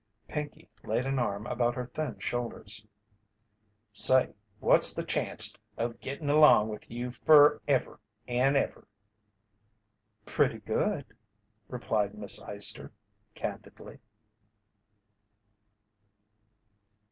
Pinkey laid an arm about her thin shoulders. "Say, what's the chanct of gittin' along with you f'rever an' ever?" "Pretty good," replied Miss Eyester, candidly.